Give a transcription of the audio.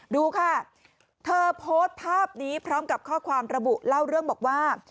ดูค่ะเธอโพสต์ภาพนี้พร้อมกับข้อความระบุเล่าเรื่องบอกว่า